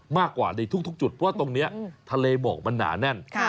มากกว่าในทุกจุดเพราะว่าตรงนี้ทะเลหมอกมันหนาแน่น